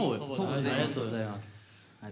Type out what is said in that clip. ありがとうございます。